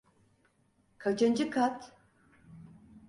Kaçıncı kat?